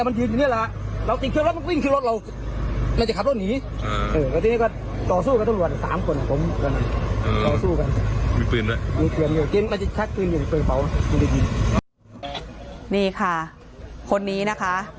นี่ค่ะคนนี้นะคะ